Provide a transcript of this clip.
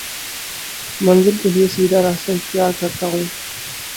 منزل کے لیے سیدھا راستہ اختیار کرتا ہوں